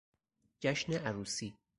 جشن عروسی